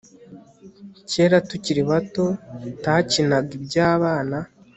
Kera tukiri bato takinaga ibyabana